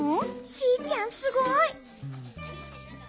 シーちゃんすごい。